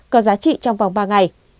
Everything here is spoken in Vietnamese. có giá trị trong vòng ba ngày